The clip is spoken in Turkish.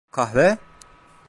Kahve?